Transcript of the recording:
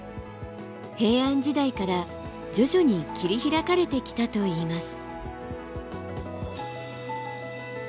平安時代から徐々に切り開かれてきたといいます。